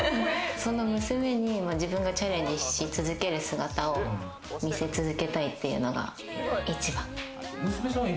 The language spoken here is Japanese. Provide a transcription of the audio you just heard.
娘に自分がチャレンジし続ける姿を見せ続けたいっていうのが一番。